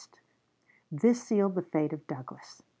This sealed the fate of Douglas.